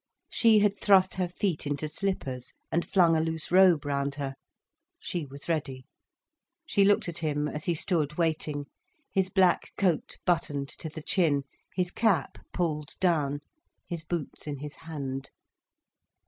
She had thrust her feet into slippers, and flung a loose robe round her. She was ready. She looked at him as he stood waiting, his black coat buttoned to the chin, his cap pulled down, his boots in his hand.